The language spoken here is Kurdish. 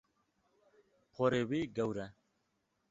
Porê wî gewr e.